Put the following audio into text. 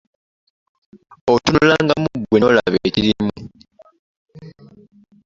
Otunulangamu ggwe n'olaba ekirimu.